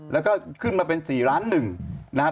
แล้วก็ขึ้นมาเป็น๔ล้าน๑นะครับ